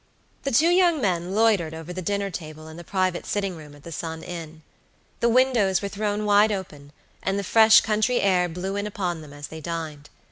The two young men loitered over the dinner table in the private sitting room at the Sun Inn. The windows were thrown wide open, and the fresh country air blew in upon them as they dined.